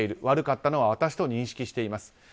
悪かったのは私と認識しています。